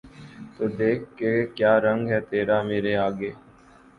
تو دیکھ کہ کیا رنگ ہے تیرا مرے آگے